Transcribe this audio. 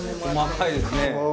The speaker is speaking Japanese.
細かいですね。